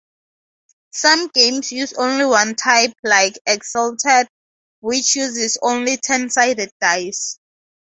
Some games use only one type, like "Exalted" which uses only ten-sided dice.